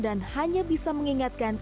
dan hanya bisa mengingatkan